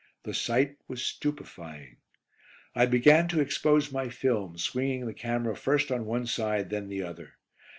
The sight was stupefying. I began to expose my film, swinging the camera first on one side then the other.